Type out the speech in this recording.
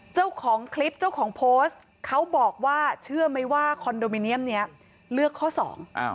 เจ้าของคลิปเจ้าของโพสต์เขาบอกว่าเชื่อไหมว่าคอนโดมิเนียมเนี้ยเลือกข้อสอง